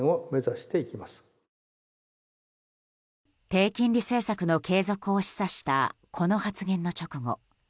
低金利政策の継続を示唆したこの発言の直後